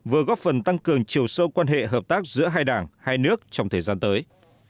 vừa góp phần tăng cường chiều sâu quan hệ hợp tác giữa hai đảng hai nước trong thời gian tới